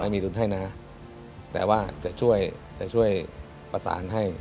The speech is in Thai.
ไม่มีทุนให้นะแต่ว่าจะช่วยประสานให้